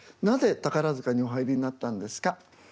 なぜ宝塚にお入りになったんですか？